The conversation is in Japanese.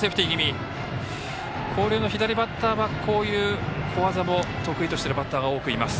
広陵の左バッターは小技も得意としているバッターが多くいます。